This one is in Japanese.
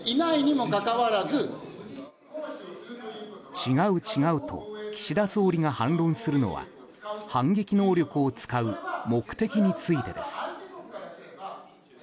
違う、違うと岸田総理が反論するのは反撃能力を使う目的についてです。